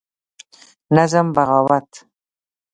نظم: بغاوت